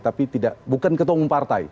tapi tidak bukan ketua umum partai